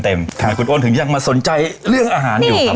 ทำไมคุณโอนถึงยังมาสนใจเรื่องอาหารอยู่ครับ